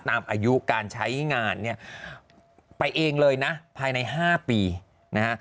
อายุการใช้งานเนี่ยไปเองเลยนะภายใน๕ปีนะฮะ